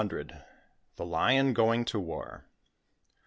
THE LION GOING TO WAR.